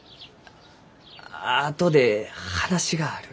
あとで話がある。